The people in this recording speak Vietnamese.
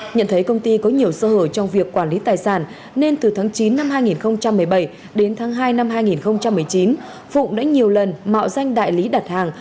nhận thấy công ty có nhiều sơ hở trong việc quản lý tài sản nên từ tháng chín năm hai nghìn một mươi bảy đến tháng hai năm hai nghìn một mươi chín phụng đã nhiều lần mạo danh đại lý đặt hàng